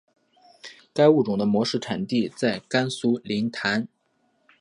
该物种的模式产地在甘肃临潭。